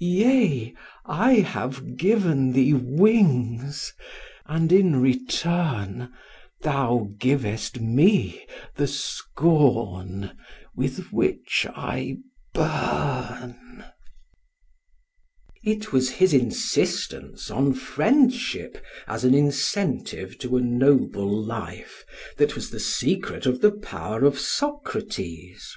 Yea, I have given thee wings, and in return Thou givest me the scorn with which I burn." [Footnote: Theognis 237.] It was his insistence on friendship as an incentive to a noble life that was the secret of the power of Socrates.